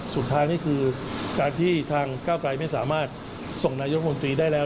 สุดท้ายนี่คือการที่ทางก้าวไกลไม่สามารถส่งนายกรรมนตรีได้แล้ว